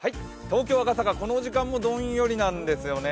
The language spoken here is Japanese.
東京・赤坂、この時間もどんよりなんですよね。